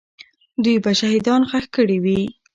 دوی به شهیدان ښخ کړي وي.